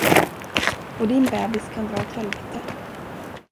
Och din bebis kan dra åt helvete!